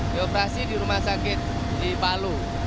dioperasi di rumah sakit di palu